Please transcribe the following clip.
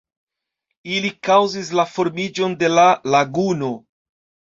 Ili kaŭzis la formiĝon de la laguno.